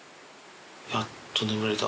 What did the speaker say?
やっと眠れた。